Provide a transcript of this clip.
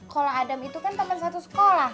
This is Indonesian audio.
kalau adam itu kan tentang satu sekolah